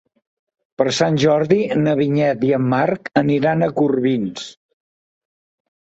Per Sant Jordi na Vinyet i en Marc aniran a Corbins.